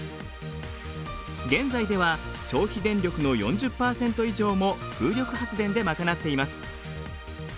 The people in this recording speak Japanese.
現在では消費電力の４０％以上も風力発電で賄っています。